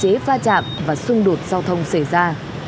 hạn chế pha chạm và xung đột giao thông xảy ra